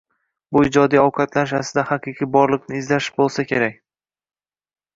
Bu ijodiy qanotlanish aslida haqiqiy borliqni izlash bo’lsa kerak.